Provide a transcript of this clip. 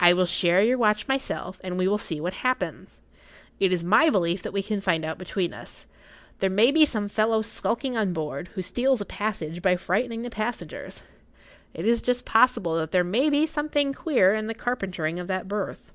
I will share your watch myself, and we will see what happens. It is my belief that we can find out between us. There may be some fellow skulking on board, who steals a passage by frightening the passengers. It is just possible that there may be something queer in the carpentering of that berth."